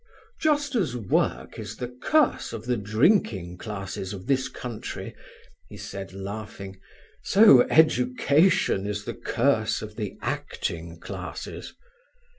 "Just as work is the curse of the drinking classes of this country," he said laughing, "so education is the curse of the acting classes."